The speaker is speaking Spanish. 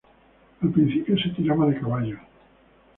Al principio se tiraba de caballos.